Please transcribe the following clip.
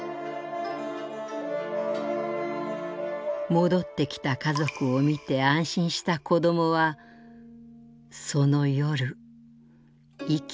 「戻ってきた家族を見て安心した子どもはその夜息を引き取りました」。